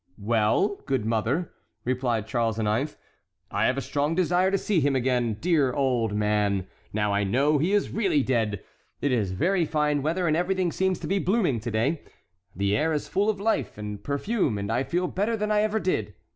"Well, good mother," replied Charles IX., "I have a strong desire to see him again, dear old man, now I know he is really dead. It is very fine weather and everything seems to be blooming to day. The air is full of life and perfume, and I feel better than I ever did.